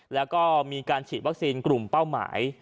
แล้วก็มีการฉีดวัคซีนกลุ่มเป้าหมาย